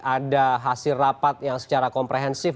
ada hasil rapat yang secara komprehensif